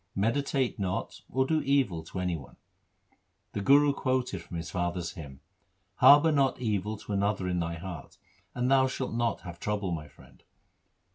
Meditate not or do evil to any one.' The Guru quoted from his father's hymn :— Harbour not evil to another in thy heart, And thou shalt not have trouble, my friend.